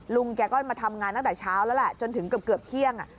ลุงแกก็มาทำงานตั้งแต่เช้าแล้วแหละจนถึงเกือบเที่ยง